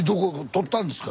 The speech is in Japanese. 取ったんですか？